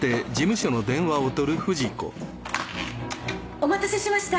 お待たせしました。